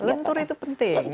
lentur itu penting